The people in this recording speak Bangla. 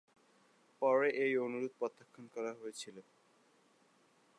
পরে এই অনুরোধ প্রত্যাখ্যান করা হয়েছিল।